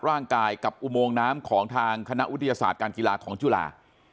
ร่างกายกับอุโมงน้ำของทางคณะวิทยาศาสตร์การกีฬาของจุฬา